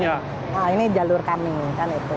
nah ini jalur kami kan itu